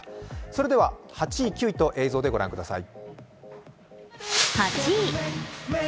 それでは８位、９位と映像でご覧ください。